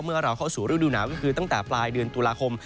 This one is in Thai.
เมื่อเราเข้าสู่ฤดูหนาวก็คือตั้งแต่ปลายเดือนตุลาคม